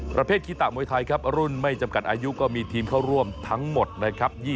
คีตะมวยไทยครับรุ่นไม่จำกัดอายุก็มีทีมเข้าร่วมทั้งหมดนะครับ